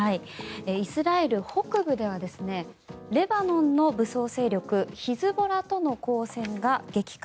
イスラエル北部ではレバノンの武装勢力ヒズボラとの交戦が激化。